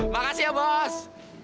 makasih ya bos